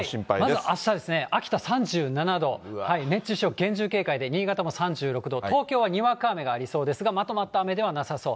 まずあしたですね、秋田３７度、熱中症厳重警戒で、新潟も３６度、東京はまとまった雨ではなさそう。